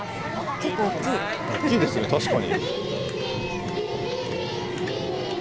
大きいですね、確かに。